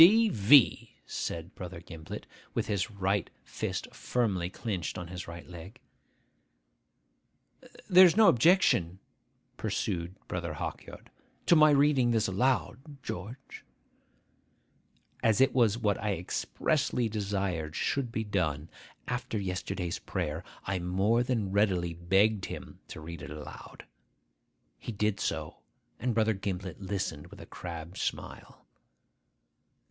'D.V.!' said Brother Gimblet, with his right fist firmly clinched on his right leg. 'There is no objection,' pursued Brother Hawkyard, 'to my reading this aloud, George?' As it was what I expressly desired should be done, after yesterday's prayer, I more than readily begged him to read it aloud. He did so; and Brother Gimblet listened with a crabbed smile.